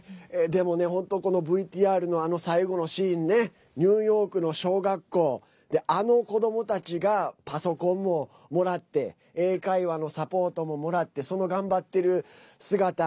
でもね、本当、ＶＴＲのあの最後のシーンねニューヨークの小学校であの子どもたちがパソコンももらって英会話のサポートももらってその頑張ってる姿。